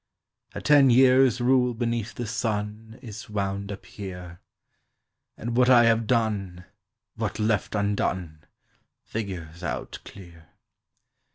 A ten years' rule beneath the sun Is wound up here, And what I have done, what left undone, Figures out clear.